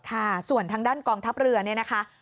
ค่ะส่วนทางด้านกองทัพเรือเนี่ยนะคะ